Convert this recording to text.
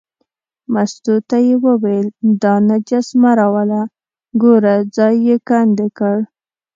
مستو ته یې وویل دا نجس مه راوله، ګوره ځای یې کندې کړ.